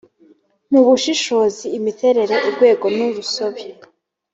mubushishozi imiterere urwego n urusobe